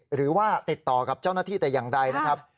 หรือว่าติดต่อกับเจ้าหน้าที่แต่อย่างใดนะครับ